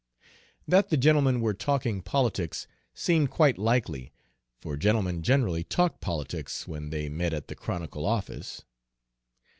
That the gentlemen were talking politics seemed quite likely, for gentlemen generally talked politics when they met at the Chronicle office.